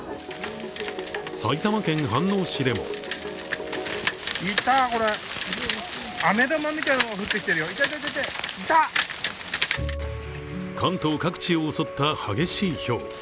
埼玉県飯能市でも関東各地を襲った激しいひょう。